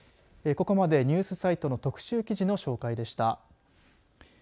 ここまでニュースサイトの特集記事の紹介でした。